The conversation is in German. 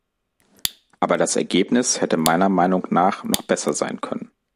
Aber das Ergebnis hätte meiner Meinung nach noch besser sein können.